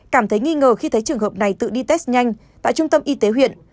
cảm thấy nghi ngờ khi thấy trường hợp này tự đi test nhanh tại trung tâm y tế huyện